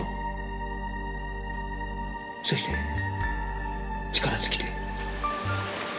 そして力尽きて。